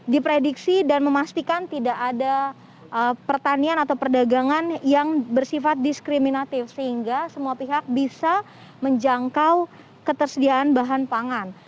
diprediksi dan memastikan tidak ada pertanian atau perdagangan yang bersifat diskriminatif sehingga semua pihak bisa menjangkau ketersediaan bahan pangan